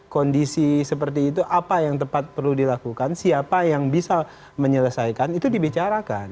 kondisi seperti itu apa yang tepat perlu dilakukan siapa yang bisa menyelesaikan itu dibicarakan